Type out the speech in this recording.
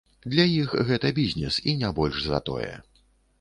Для іх гэта бізнес і не больш за тое.